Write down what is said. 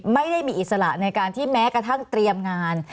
ไม่ได้มีอิสระในการที่แม้กระทั่งเตรียมงาน